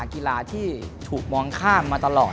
กีฬาที่ถูกมองข้ามมาตลอด